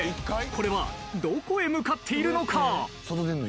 これはどこへ向かっているのか？